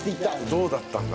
どうだったんだ？